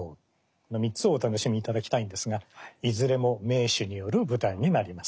この３つをお楽しみいただきたいんですがいずれも名手による舞台になります。